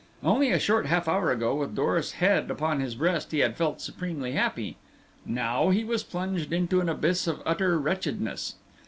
Only a short half hour ago, with Doris' head upon his breast, he had felt supremely happy; now he was plunged into an abyss of utter wretchedness.